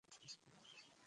এটা বলা কি দরকার?